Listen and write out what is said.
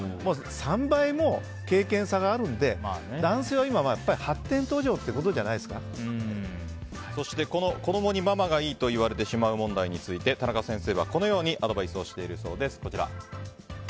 ３倍も経験差があるんで男性は今そして子供にママがいいと言われてしまう問題について田中先生は、このようにアドバイスしているようです。